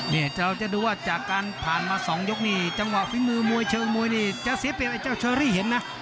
เราจะดูว่าจากการผ่านมา๒ยกนี่จังหวะฝีมือมวยเชอรี่เห็นนะ